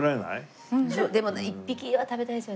でもね１匹は食べたいですよね。